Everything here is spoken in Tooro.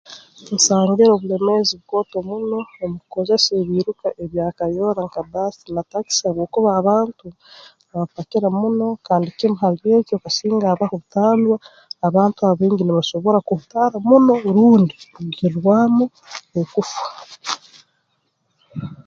Nsangire obulemeezi bukooto muno omu kukozesa ebiiruka ebya kayoora nka bbaasi na takisi habwokuba abantu babapakira muno kandi kimu hali ekyo kasinga habaho butandwa abantu abaingi nibasobora kuhutaara muno rundi kurugirwamu okufa